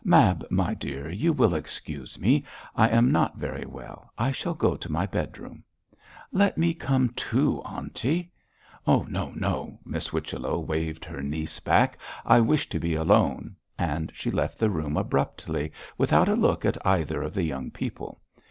'Mab, my dear, you will excuse me, I am not very well; I shall go to my bedroom.' 'Let me come too, aunty.' 'No! no!' Miss Whichello waved her niece back. 'I wish to be alone,' and she left the room abruptly, without a look at either of the young people.